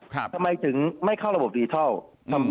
ทำไมถึงไม่เข้าระบบดิทัล